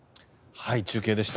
中継でした。